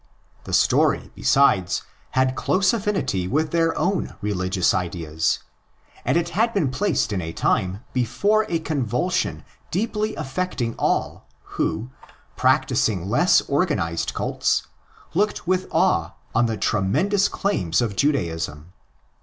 The story, besides, had close affinity with their own religious ideas; and it had been placed in the time before a convulsion deeply affecting all who, practising less organised cults, looked with awe on the tremendous claims of Judaism.